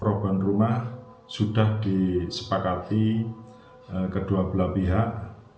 perubahan rumah sudah disepakati kedua belah pihak